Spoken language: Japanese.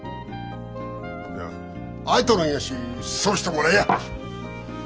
いや空いとるんやしそうしてもらや。